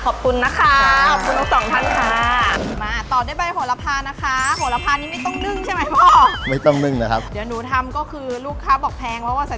ขอบคุณนะคะ